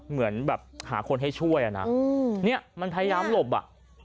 เหมือนแบบหาคนให้ช่วยอ่ะนะเนี่ยมันพยายามหลบอ่ะ